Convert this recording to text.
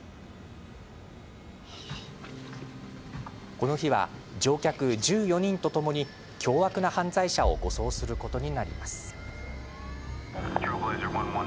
この日は、乗客１４人とともに凶悪な犯罪者を護送することに。